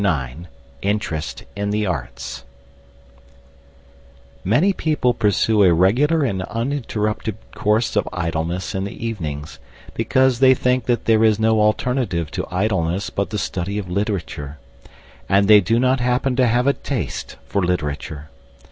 IX INTEREST IN THE ARTS Many people pursue a regular and uninterrupted course of idleness in the evenings because they think that there is no alternative to idleness but the study of literature; and they do not happen to have a taste for literature.